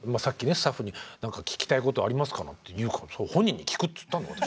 スタッフに「何か聞きたいことありますか？」なんて言うからそれ本人に聞くっつったの私。